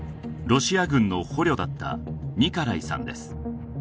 ロシア軍の捕虜だったニカライさんです